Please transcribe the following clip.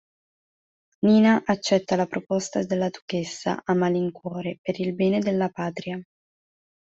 Nina accetta la proposta della duchessa a malincuore per il bene della patria.